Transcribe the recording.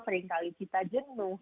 seringkali kita jenuh